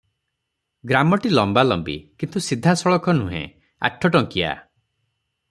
ଗ୍ରାମଟି ଲମ୍ବାଲମ୍ବି; କିନ୍ତୁ ସିଧାସଳଖ ନୁହେଁ; ଆଠଟଙ୍କିଆ ।